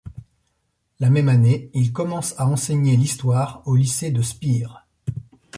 La même année, il commence à enseigner l’histoire au lycée de Spire.